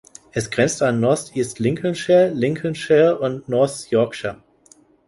Es grenzt an North East Lincolnshire, Lincolnshire und North Yorkshire.